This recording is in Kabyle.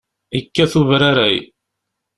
Yekkat ubraray.